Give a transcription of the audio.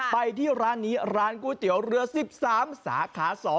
ไปที่ร้านนี้ร้านก๋วยเตี๋ยวเรือ๑๓สาขา๒